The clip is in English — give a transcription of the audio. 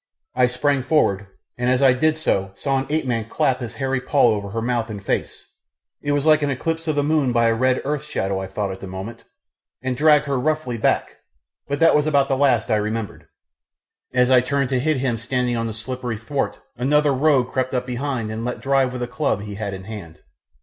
I sprang forward, and as I did so saw an ape man clap his hairy paw over her mouth and face it was like an eclipse of the moon by a red earth shadow, I thought at the moment and drag her roughly back, but that was about the last I remembered. As I turned to hit him standing on the slippery thwart, another rogue crept up behind and let drive with a club he had in hand.